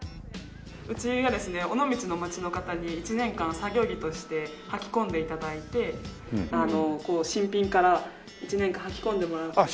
うちがですね尾道の街の方に１年間作業着としてはき込んで頂いて新品から１年間はき込んでもらっていて。